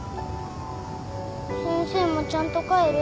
先生もちゃんと帰る？